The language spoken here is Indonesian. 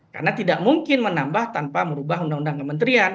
karena tidak mungkin menambah tanpa merubah undang undang kementerian